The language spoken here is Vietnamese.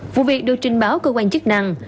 vụ việc được trình báo cơ quan chức năng